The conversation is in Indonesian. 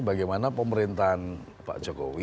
bagaimana pemerintahan pak jokowi